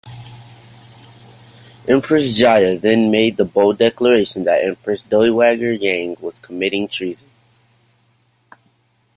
Empress Jia then made the bold declaration that Empress Dowager Yang was committing treason.